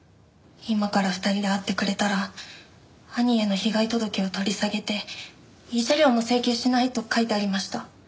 今から２人で会ってくれたら兄への被害届を取り下げて慰謝料も請求しないと書いてありました。